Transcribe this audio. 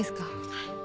はい。